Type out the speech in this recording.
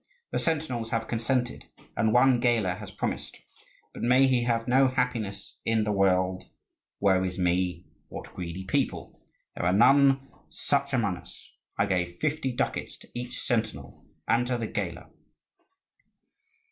The sentinels have consented, and one gaoler has promised. But may he have no happiness in the world, woe is me! What greedy people! There are none such among us: I gave fifty ducats to each sentinel and to the gaoler."